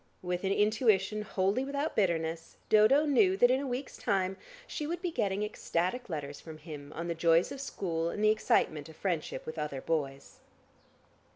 With an intuition wholly without bitterness Dodo knew that in a week's time she would be getting ecstatic letters from him on the joys of school and the excitement of friendship with other boys.